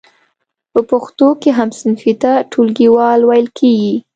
په پښتو کې هم صنفي ته ټولګیوال ویل کیږی.